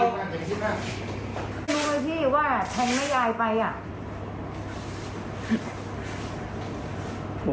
รู้ไหมพี่ว่าทางแม่ยายไป